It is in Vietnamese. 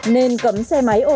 nên cấm xe máy ô tô